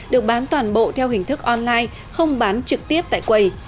được bán toàn bộ theo hình thức online không bán trực tiếp tại quầy